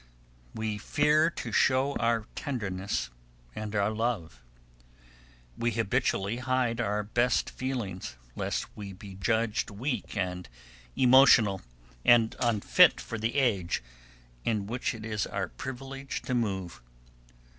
We fear to show our tenderness and our love. We habitually hide our best feelings, lest we be judged weak and emotional, and unfit for the age in which it is our privilege to move.